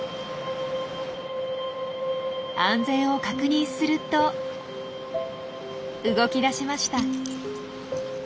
安全を確認すると動き出しました。